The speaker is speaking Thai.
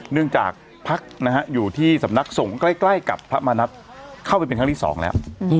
เนื่องจากพักอยู่ที่สำนักทรงใกล้กับพระมณับเข้าไปเป็นครั้งที่๒แล้ว